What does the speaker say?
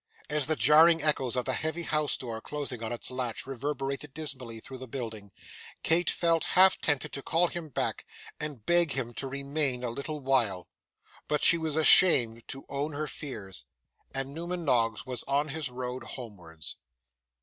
As the jarring echoes of the heavy house door, closing on its latch, reverberated dismally through the building, Kate felt half tempted to call him back, and beg him to remain a little while; but she was ashamed to own her fears, and Newman Noggs was on his road homewards.